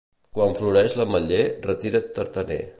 Quan floreix l'ametller, retira't, tartaner.